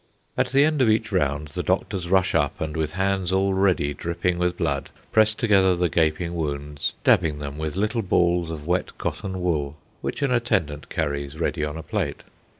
At the end of each round the doctors rush up, and with hands already dripping with blood press together the gaping wounds, dabbing them with little balls of wet cotton wool, which an attendant carries ready on a plate.